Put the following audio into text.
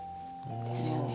ですよね。